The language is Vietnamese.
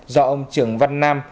do ông trường văn nam